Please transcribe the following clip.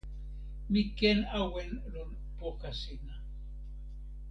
mi ken awen lon poka sina.